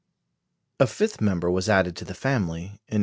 A fifth member was added to the family in 1887.